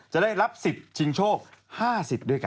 ได้รับสิทธิ์ชิงโชค๕๐ด้วยกัน